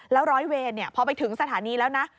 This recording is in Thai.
แล้วร้อยเวรพอไปถึงสถานีแล้วนะ